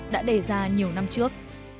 đã đề ra nhiều năm trước